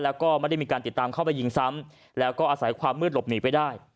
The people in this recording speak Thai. แล้วก็ไม่ได้มีการติดตามเข้าไปยิงซ้ำแล้วก็อาศัยความมืดหลบหนีไปได้